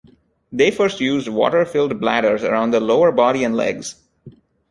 They first used water-filled bladders around the lower body and legs.